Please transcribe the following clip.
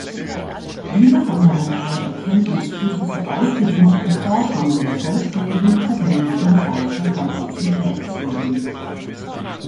Diese fundamentale Erkenntnis führte zu ausgedehnteren Forschungen der vollständigen Probleme im Bereich der Komplexitätstheorie.